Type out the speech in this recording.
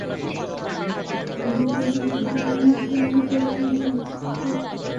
আমি যখন ছোট ছিলাম, তখন গাছে চড়ায় পারদর্শী ছিলাম।